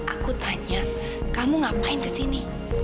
aku tanya kamu ngapain kesini